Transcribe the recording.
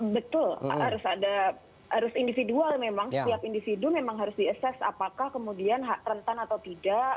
betul harus ada harus individual memang setiap individu memang harus di assess apakah kemudian rentan atau tidak